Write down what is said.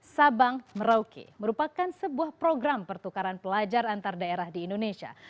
sabang merauke merupakan sebuah program pertukaran pelajar antar daerah di indonesia